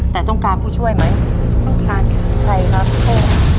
แต่ต้องการผู้ช่วยไหมต้องการใครครับ